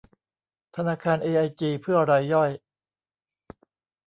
ธนาคารเอไอจี เพื่อรายย่อย